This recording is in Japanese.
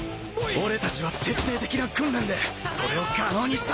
俺たちは徹底的な訓練でそれを可能にした。